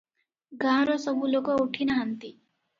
ଗାଁର ସବୁ ଲୋକ ଉଠି ନାହାଁନ୍ତି ।